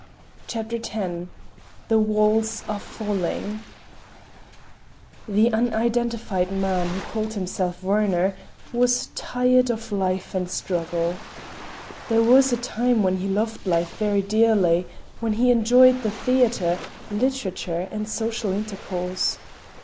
CHAPTER X THE WALLS ARE FALLING The unidentified man, who called himself Werner, was tired of life and struggle. There was a time when he loved life very dearly, when he enjoyed the theater, literature and social intercourse.